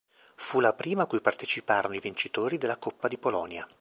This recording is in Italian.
Fu la prima cui parteciparono i vincitori della Coppa di Polonia.